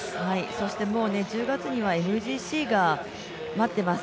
そして１０月にはＭＧＣが待っています